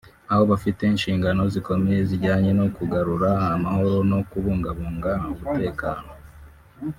aho bafite inshingano zikomeye zijyanye no kugarura amahoro no kubungabunga umutekano